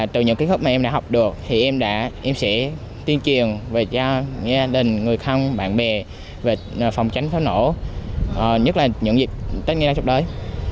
từ những kế hoạch mà em đã học được em sẽ tiên truyền về cho gia đình người không bạn bè về phòng chấm pháo nổ nhất là những việc tết nguyên đang trục đới